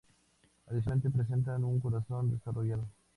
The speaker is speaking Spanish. Adicionalmente presentan un corazón desarrollado.